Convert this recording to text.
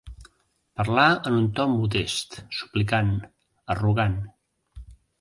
Parlar en un to modest, suplicant, arrogant.